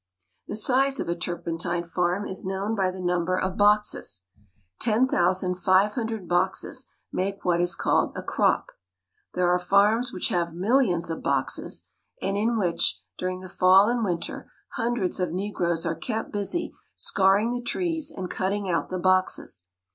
The size of a turpentine farm is known by the number of boxes. Ten thousand five hundred boxes make what is called a crop. There are farms which have millions of boxes, and in which, during the fall and winter, hundreds of ne groes are kept busy scar ring the trees and cutting out the boxes.